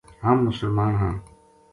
ہم مسلمان ہاں